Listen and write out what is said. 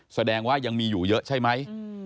แสดงว่ายังมีอยู่เยอะใช่ไหม